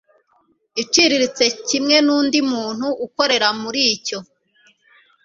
iciriritse kimwe n undi muntu ukorera muri icyo